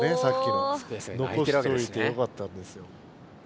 のこしといてよかったんですよ。